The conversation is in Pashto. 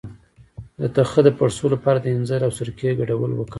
د تخه د پړسوب لپاره د انځر او سرکې ګډول وکاروئ